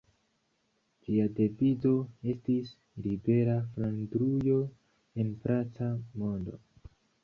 Ĝia devizo estis "Libera Flandrujo en paca mondo".